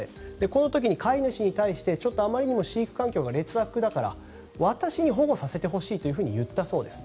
この時に飼い主に対してちょっと飼育環境が劣悪だから私に保護させてほしいと言ったそうです。